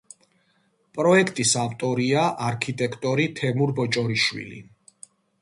პროექტის ავტორია არქიტექტორი თემურ ბოჭორიშვილი.